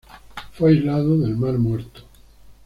Fue aislado del Mar Muerto.